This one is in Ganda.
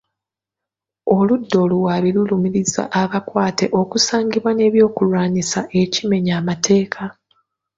Oludda oluwaabi lulumiriza abakwate okusangibwa n’ebyokulwanyisa ekimenya amateeka.